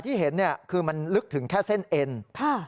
เพิ่มเป็นวันใหม่ที่สามารถติดกับพวกเรา